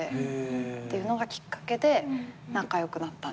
っていうのがきっかけで仲良くなったんですよ。